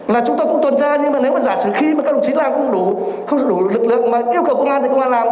là chúng ta cũng tuần tra nhưng mà nếu mà giả sử khi mà các lực lượng làm không đủ lực lượng mà yêu cầu công an thì công an làm